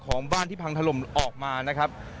ของบ้านที่พังถล่มออกมานะครับ